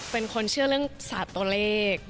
เป็นคนเชื่อเรื่องศาสตร์ตัวเลข